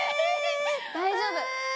大丈夫！